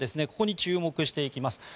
ここに注目していきます。